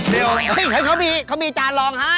เฮ้ยเขามีข้ามีจานลองให้